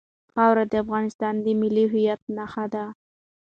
خاوره د افغانستان د ملي هویت نښه ده.